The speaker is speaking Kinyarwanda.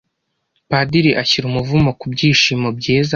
padiri ashyira umuvumo ku byishimo byiza